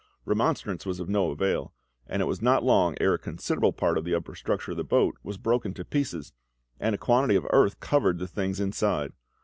Remonstrance was of no avail, and it was not long ere a considerable part of the upper structure of the boat was broken to pieces, and a quantity of earth covered the things inside.